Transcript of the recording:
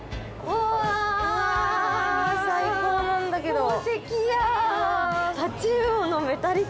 うわ最高なんだけど。